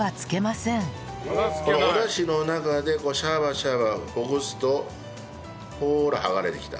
このおダシの中でシャバシャバほぐすとほーら剥がれてきた。